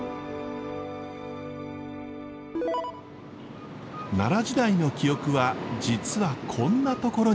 奈良時代の記憶は実はこんなところにも。